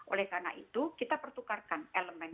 oleh karena itu kita pertukarkan elemen